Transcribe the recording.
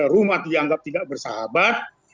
rumah dianggap tidak bersahabat